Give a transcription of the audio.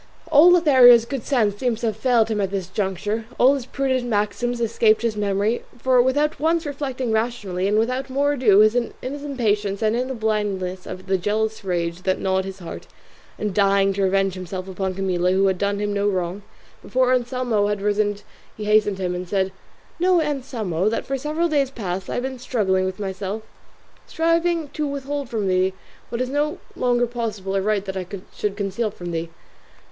All Lothario's good sense seems to have failed him at this juncture; all his prudent maxims escaped his memory; for without once reflecting rationally, and without more ado, in his impatience and in the blindness of the jealous rage that gnawed his heart, and dying to revenge himself upon Camilla, who had done him no wrong, before Anselmo had risen he hastened to him and said to him, "Know, Anselmo, that for several days past I have been struggling with myself, striving to withhold from thee what it is no longer possible or right that I should conceal from thee.